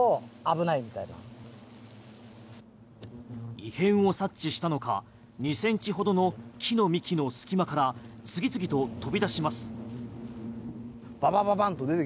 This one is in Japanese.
異変を察知したのか２センチほどの木の幹の隙間から次々と飛び出します。